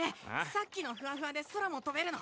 さっきのふわふわで空も飛べるの？